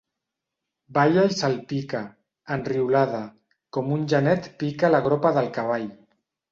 Balla i se'l pica, enriolada, com un genet pica la gropa del cavall.